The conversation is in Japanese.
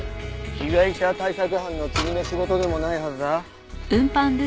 被害者対策班の君の仕事でもないはずだ。